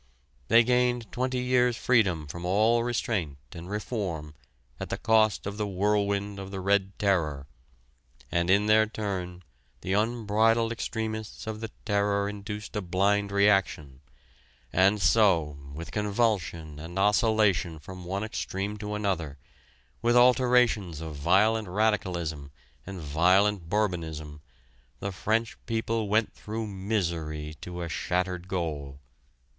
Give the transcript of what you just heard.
They gained twenty years' freedom from all restraint and reform at the cost of the whirlwind of the red terror; and in their turn the unbridled extremists of the terror induced a blind reaction; and so, with convulsion and oscillation from one extreme to another, with alterations of violent radicalism and violent Bourbonism, the French people went through misery to a shattered goal."